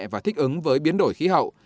và thích ứng với biến đổi khí hậu